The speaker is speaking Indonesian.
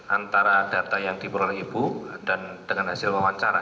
antara data yang diperoleh ibu dan dengan hasil wawancara